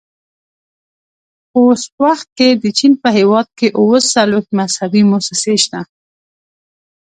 په اوس وخت کې د چین په هېواد کې اووه څلوېښت مذهبي مؤسسې شته.